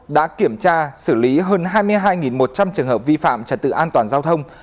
đã kiểm tra xử lý hơn hai mươi hai một trăm linh trường hợp vi phạm trật tự an toàn giao thông